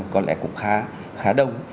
có lẽ cũng khá